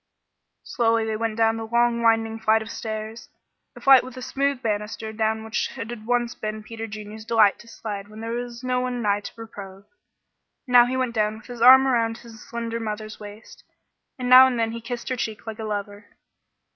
Slowly they went down the long winding flight of stairs a flight with a smooth banister down which it had once been Peter Junior's delight to slide when there was no one nigh to reprove. Now he went down with his arm around his slender mother's waist, and now and then he kissed her cheek like a lover.